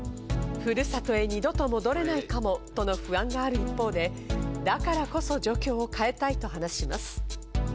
ふるさとへ二度と戻れないかもとの不安がある一方で、だからこそ状況を変えたいと話します。